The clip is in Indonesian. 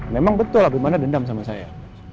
memang betul abimana dendam sama saya